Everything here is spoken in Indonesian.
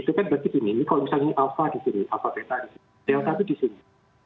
itu kan berarti begini ini kalau misalnya ini alpha di sini alpha beta di sini delta itu di sini